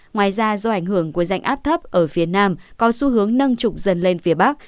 ngoài ra do ảnh hưởng của rãnh áp thấp ở phía nam có xu hướng nâng trục dần lên phía bắc